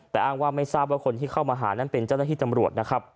แต่อ้างว่าไม่ทราบว่าคนที่เข้ามาหานั้นเป็นเจ้าหน้าที่ตำรวจนะครับ